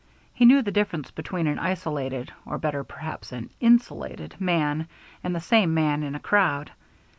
He knew the difference between an isolated or better, perhaps, an insulated man and the same man in a crowd.